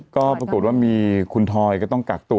ก็ปรากฏว่ามีคุณทอยก็ต้องกักตัว